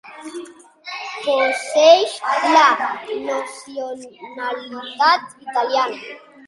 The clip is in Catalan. Posseeix la nacionalitat italiana.